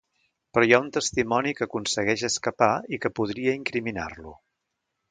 Però hi ha un testimoni que aconsegueix escapar i que podria incriminar-lo.